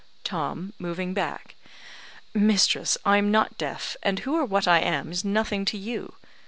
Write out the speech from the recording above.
Tom (moving back): "Mistress, I'm not deaf; and who or what I am is nothing to you.